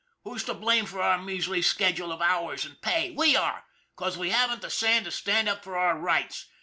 Who's to blame for our measly schedule of hours and pay? We are, 'cause we haven't the sand to stand up for our rights.